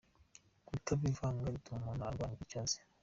Kutabivanga bituma umuntu arwanya icyo azi.